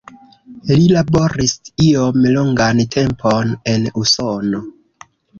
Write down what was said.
Li laboris iom longan tempon en Usono.